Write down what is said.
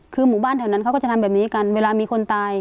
คือหมู่บ้านแถวนั้นเขาก็จะทำแบบนี้กันเวลามีคนตาย